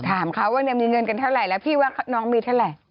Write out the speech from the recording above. ถามเขาว่ามีเงินกันเท่าไหร่แล้วพี่ว่าน้องมีเท่าไหร่